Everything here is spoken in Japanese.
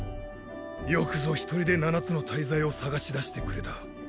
よくぞ一人で七つの大罪を捜し出してくれた。